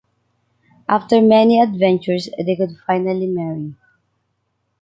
After many adventures, they could finally marry.